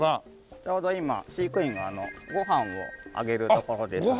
ちょうど今飼育員がごはんをあげるところですので。